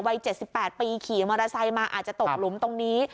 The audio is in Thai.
วัย๗๘ปีขี่มอเตอร์ไซค์มาอาจจะตกหลุมตรงนี้